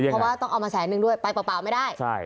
เพราะว่าต้องเอามาแสนนึงด้วยไปเปล่าไม่ได้